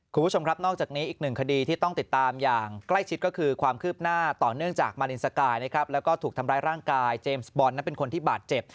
คุณผู้ชมครับนอกจากนี้อีกหนึ่งคดีที่ต้องติดตามอย่างใกล้ชิดก็คือความคืบหน้าต่อเนื่องจากมารินสกายนะครับแล้วก็ถูกทำร้ายร่างกายเจมส์บอลนั้นเป็นคนที่บาดเจ็บ